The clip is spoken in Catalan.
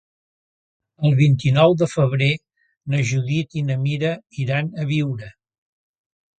El vint-i-nou de febrer na Judit i na Mira iran a Biure.